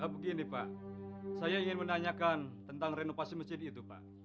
begini pak saya ingin menanyakan tentang renovasi masjid itu pak